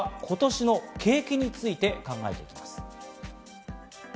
さぁ続いては今年の景気について考えていきます。